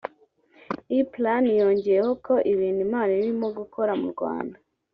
E Plan yongeyeho ko ibintu Imana irimo gukora mu Rwanda